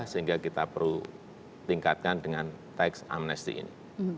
sehingga kita perlu tingkatkan dengan teks amnesti ini